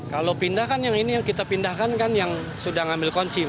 kalau pindahkan yang ini yang kita pindahkan kan yang sudah ngambil konsim